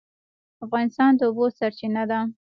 افغانستان د اوبو سرچینه ده